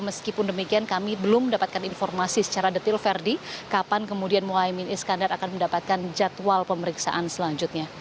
meskipun demikian kami belum mendapatkan informasi secara detil verdi kapan kemudian mohaimin iskandar akan mendapatkan jadwal pemeriksaan selanjutnya